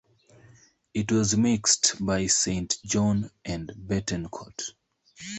It was mixed by Saint John and Bettencourt.